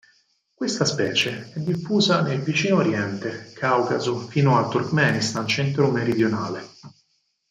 Questa specie è diffusa nel Vicino Oriente, Caucaso fino al Turkmenistan centro-meridionale.